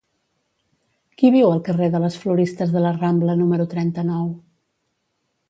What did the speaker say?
Qui viu al carrer de les Floristes de la Rambla número trenta-nou?